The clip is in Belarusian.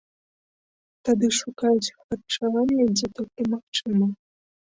Тады шукаюць харчаванне, дзе толькі магчыма.